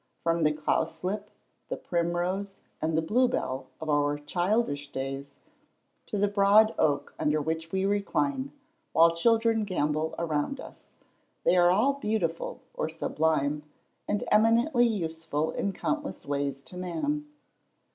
From the cowslip, the primrose, and the blue bell of our childish days, to the broad oak under which we recline, while children gambol round us, they are all beautiful or sublime, and eminently useful in countless ways to man.